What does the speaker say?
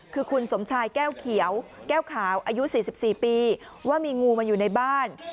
คือคุณสมชายแก้วเขียวแก้วขาวอายุ๔๔ปีว่ามีงูมาอยู่ในบ้าน